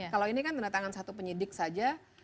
kalau ini kan tanda tangan satu penyidik saja